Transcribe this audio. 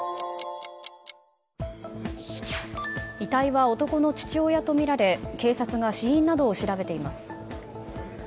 遺体は男の父親とみられ警察が死因などを調べています。